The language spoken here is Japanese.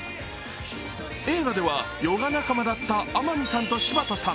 映画ではヨガ仲間だった天海さんと柴田さん。